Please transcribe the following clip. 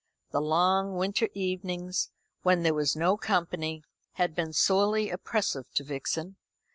The long winter evenings, when there was no company, had been sorely oppressive to Vixen.